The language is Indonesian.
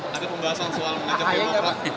nanti pembahasan soal mengejar kemokrak